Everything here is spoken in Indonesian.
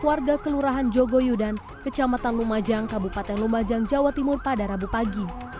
warga kelurahan jogoyudan kecamatan lumajang kabupaten lumajang jawa timur pada rabu pagi